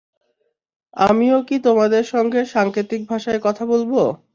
আমিও কি তোমাদের সঙ্গে সাংকেতিক ভাষায় কথা বলব?